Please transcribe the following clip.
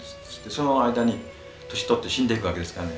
その間に年取って死んでいくわけですからね。